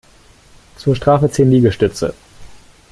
Zur Strafe zehn Liegestütze!